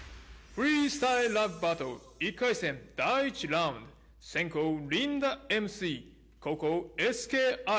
フリースタイルラップバトル、１回戦第１ラウンド、先攻、リンダＭＣ、後攻、ＳＫＩ。